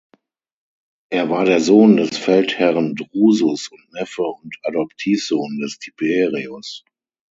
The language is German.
Er war der Sohn des Feldherren Drusus und Neffe und Adoptivsohn des Tiberius.